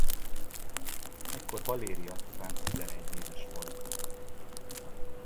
Ekkor Valéria csupán tizenegy éves volt.